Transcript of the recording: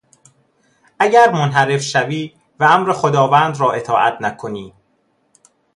اگر منحرف شوی و امر خداوند را اطاعت نکنی...